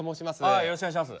あよろしくお願いします。